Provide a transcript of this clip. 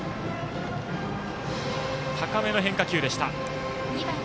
高めの変化球でした。